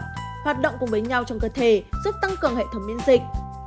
hoạt động cùng với nhau trong cơ thể giúp tăng cường hệ thống miễn dịch